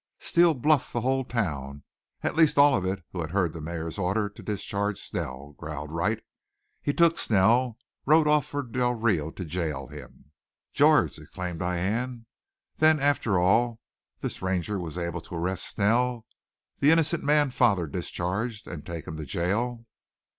Steele bluffed the whole town at least all of it who had heard the mayor's order to discharge Snell," growled Wright. "He took Snell rode off for Del Rio to jail him." "George!" exclaimed Diane. "Then, after all, this Ranger was able to arrest Snell, the innocent man father discharged, and take him to jail?"